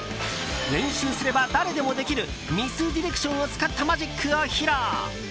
練習すれば誰でもできるミスディレクションを使ったマジックを披露！